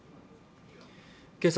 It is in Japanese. けさ